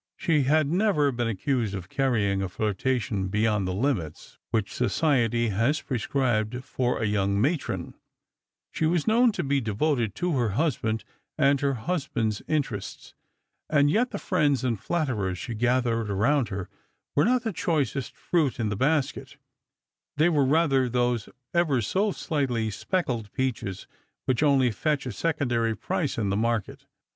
She had never been accused of carrying a tiirtation beyond the hmits which society has pi*escribed for a young matron ; she was known to be devoted to her husband and her husband's interests; and yet the friends and flatterers she gathered around her were not the choicest fruit in the basket ; they were rather those ever so slightly speckled peaches which only fetch a secondary price in the market.